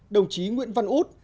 đồng chí nguyễn văn út